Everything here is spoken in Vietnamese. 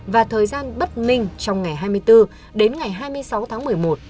và thời gian bất minh trong ngày hai mươi bốn đến ngày hai mươi sáu tháng một mươi một